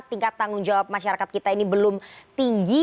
tingkat tanggung jawab masyarakat kita ini belum tinggi